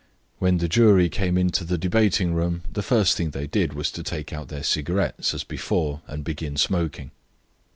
When the jury came into the debating room the first thing they did was to take out their cigarettes, as before, and begin smoking.